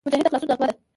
مجاهد د خلاصون نغمه ده.